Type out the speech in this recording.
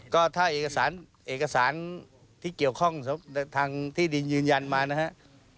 ก็ถ้าเอกสารที่เกี่ยวข้องทางที่ดินยืนยันมานะครับ